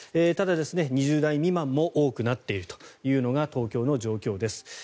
ただ、２０代未満も多くなっているというのが東京の状況です。